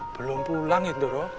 belum pulangin ndoro